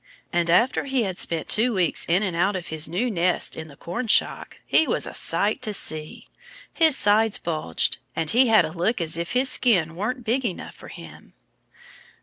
And after he had spent two weeks in and out of his new nest in the cornshock he was a sight to see. His sides bulged. And he had a look as if his skin weren't big enough for him.